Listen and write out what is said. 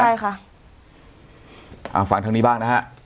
ใช่ค่ะอ่าฟังทางนี้บ้างนะฮะ